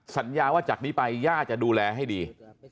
สัญญาว่าจากนี้ไปย่าจะดูแลให้ดี